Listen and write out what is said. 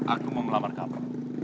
aku mau melamar kamu